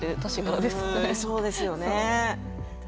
そうですよね。